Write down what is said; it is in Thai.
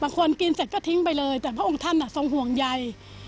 บางคนกินเสร็จก็ทิ้งไปเลยแต่ว่าองค์ท่านน่ะทรงห่วงใหญ่